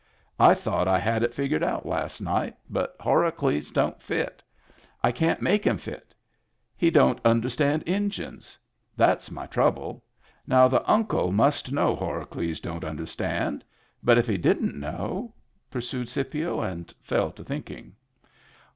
I thought I had it figured out last night, but Horacles don't fit. I can't make him fit. He don't understand Injuns. That's my trouble. Now the Uncle must know Horacles don't understand. But if he didn't know?" pursued Scipio, and fell to thinking.